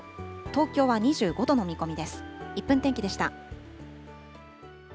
東京は２５度の見込みです。